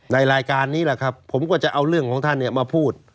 รายการนี้แหละครับผมก็จะเอาเรื่องของท่านมาพูด